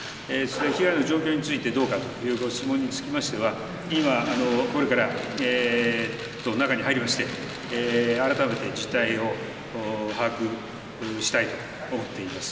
被害の状況についてどうかというご質問につきましては今、これから中に入りまして改めて実態を把握したいと思っています。